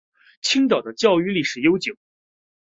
青岛的教育历史悠久。